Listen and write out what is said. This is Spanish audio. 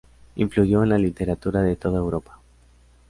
Influyó en la literatura de toda Europa.